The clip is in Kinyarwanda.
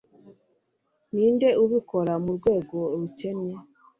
ninde ubikora, murwego rukennye